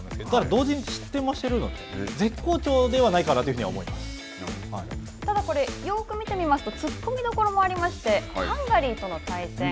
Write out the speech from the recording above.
同時に失点もしているので絶好調ではないかなというふうにただ、これよく見てみますと突っ込みどころもありまして、ハンガリーとの対戦。